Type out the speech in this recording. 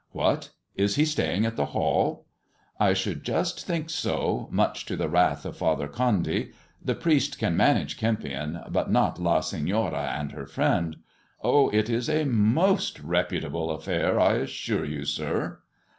" What ! Is he staying at the Hall 1 "" I should just think so, much to the wrath of Father CJondy. The priest can manage Kempion, but not La Senora and her friend. Oh ! it is a most reputable afPair, I assure you, sir."